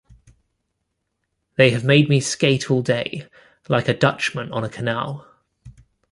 They have made me skate all day, like a Dutchman on a canal.